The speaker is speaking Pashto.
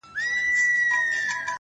• د غوايي تشو رمباړو تښتولی ,